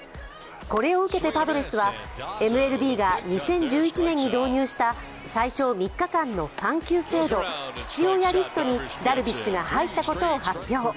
これを受けてパドレスはＭＬＢが２０１１年に導入した最長３日間の産休制度、父親リストにダルビッシュが入ったことを発表。